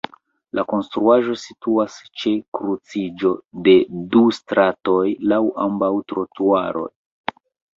La konstruaĵo situas ĉe kruciĝo de du stratoj laŭ ambaŭ trotuaroj.